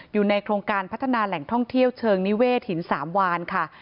อยู่ในโครงการพัฒนาแหล่งท่องเที่ยวเชิงนิเวศหินสามวานค่ะ